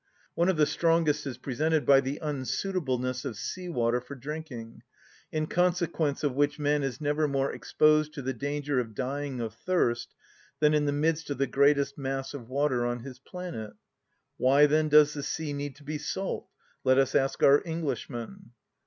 One of the strongest is presented by the unsuitableness of sea‐water for drinking, in consequence of which man is never more exposed to the danger of dying of thirst than in the midst of the greatest mass of water on his planet. "Why, then, does the sea need to be salt?" let us ask our Englishman.